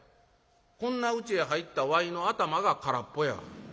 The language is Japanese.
こんなうちへ入ったわいの頭が空っぽや。